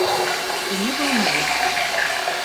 Ты не был у него?